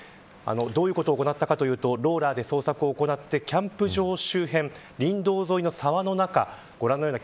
どういうことを行ったかというとローラーで捜索を行ってキャンプ場周辺林道沿いの沢の中。